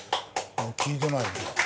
聞いてないね。